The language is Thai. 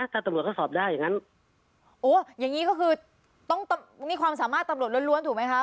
ถ้าตำลวงสอบได้อย่างนั้นโอ้อย่างงี้ก็คือต้องตำนี่ความสามารถตำลวงล้วนล้วนถูกไหมคะ